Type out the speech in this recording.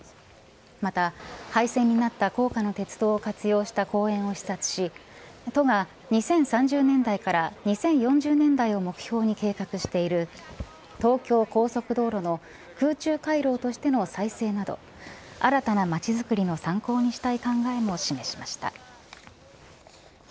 また、廃線になった高架の鉄道を活用した公園を視察し都が２０３０年代から２０４０年代を目標にし計画している東京高速道路の空中回廊としての再生など新たな街づくりの参考にしたい考えも示しました。